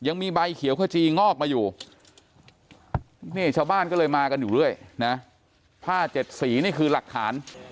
นี่ชาวบ้านก็เลยมากันอยู่ด้วยนะผ้าเจ็ดสีนี่คือหลักฐาน